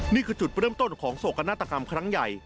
นี่คือจุดเริ่มต้นของโศกนาฏกรรมครั้งใหญ่